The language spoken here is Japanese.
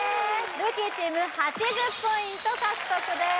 ルーキーチーム８０ポイント獲得です